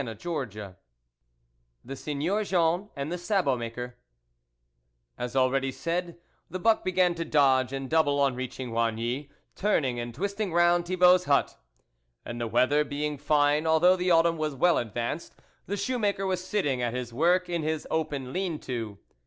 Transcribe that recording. CHAPTER II THE SEIGNEUR JEAN AND THE SABOT MAKER S already said, the buck began to _ dodge and double on reaching igny, turning and twisting round Thibault's hut, and the weather being fine although the autumn was well ad vanced, the shoemaker was sitting at his work in his open lean to.